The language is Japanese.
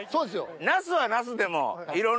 ナスはナスでも。